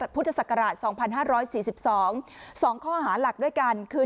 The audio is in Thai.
พุทธศักราช๒๕๔๒๒ข้อหาหลักด้วยกันคือ